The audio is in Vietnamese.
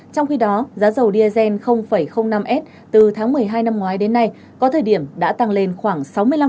trong khi đó giá dầu diesel năm s từ tháng một mươi hai năm ngoái đến nay có thời điểm đã tăng lên khoảng sáu mươi năm